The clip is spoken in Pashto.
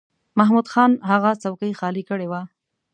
محمود خان هغه څوکۍ خالی کړې وه.